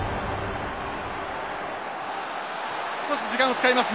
少し時間を使います。